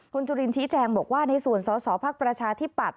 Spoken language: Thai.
คุณจุรินชี้แจงบอกว่าในส่วนสอสอภาคประชาที่ปัด